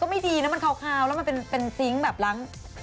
ไม่ดีนะมันคาวแล้วมันเป็นซิงค์แบบล้าง